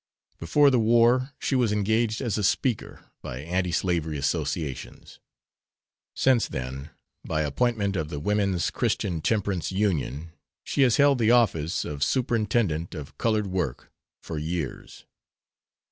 Before the war she was engaged as a speaker by anti slavery associations; since then, by appointment of the Women's Christian Temperance Union, she has held the office of "Superintendent of Colored Work" for years.